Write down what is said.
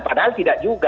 padahal tidak juga